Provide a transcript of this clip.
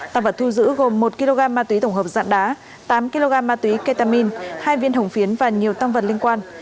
tăng vật thu giữ gồm một kg ma túy tổng hợp dạng đá tám kg ma túy ketamin hai viên hồng phiến và nhiều tăng vật liên quan